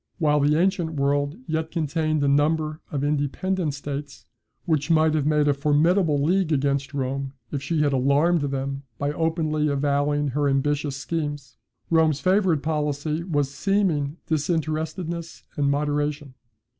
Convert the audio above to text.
While the ancient world yet contained a number of independent states, which might have made a formidable league against Rome if she had alarmed them by openly avowing her ambitious schemes, Rome's favourite policy was seeming disinterestedness and moderation.